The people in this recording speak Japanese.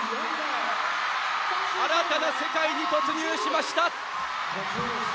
新たな世界に突入しました！